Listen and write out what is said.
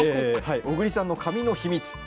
小栗さんの髪の秘密